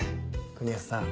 国安さん